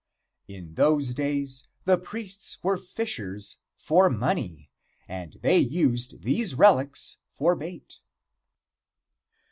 In those days the priests were fishers for money, and they used these relics for bait.